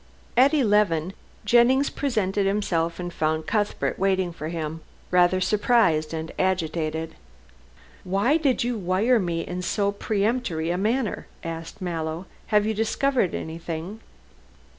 At eleven Jennings presented himself and found Cuthbert waiting for him, rather surprised and agitated. "Why did you wire me in so peremptory a manner?" asked Mallow; "have you discovered anything?"